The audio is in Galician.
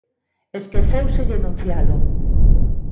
Esquecéuselle enuncialo.